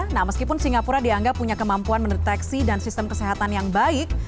nah meskipun singapura dianggap punya kemampuan mendeteksi dan sistem kesehatan yang baik